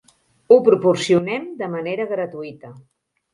Ho proporcionem de manera gratuïta.